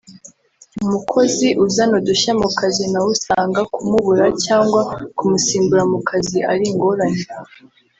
umukozi uzana udushya mu kazi nawe usanga kumubura cyangwa kumusimbura mu kazi ari ingorane